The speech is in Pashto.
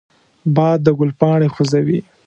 باد د ګل پاڼې خوځوي